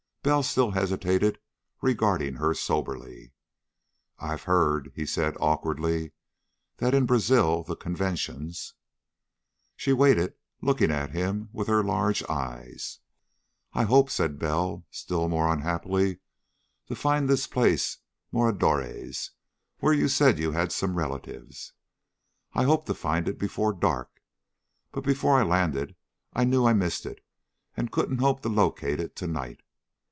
Bell still hesitated, regarding her soberly. "I've heard," he said awkwardly, "that in Brazil the conventions...." She waited, looking at him with her large eyes. "I hoped," said Bell, still more unhappily, "to find this place Moradores, where you said you had some relatives. I hoped to find it before dark. But before I landed I knew I'd missed it and couldn't hope to locate it to night.